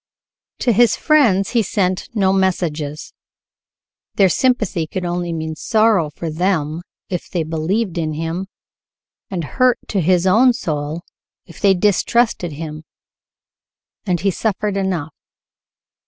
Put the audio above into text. To his friends he sent no messages. Their sympathy could only mean sorrow for them if they believed in him, and hurt to his own soul if they distrusted him, and he suffered enough.